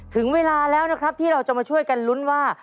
ถึงเวลาแล้วนะครับที่เราจะมาช่วยกันลุ้นว่า